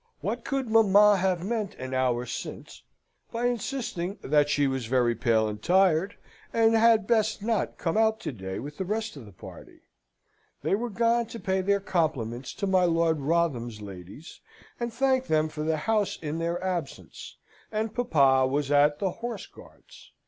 What could mamma have meant an hour since by insisting that she was very pale and tired, and had best not come out to day with the rest of the party? They were gone to pay their compliments to my Lord Wrotham's ladies, and thank them for the house in their absence; and papa was at the Horse Guards.